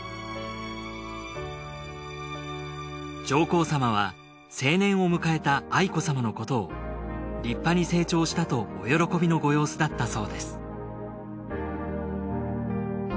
上皇さまは成年を迎えた愛子さまのことを立派に成長したとお喜びのご様子だったそうです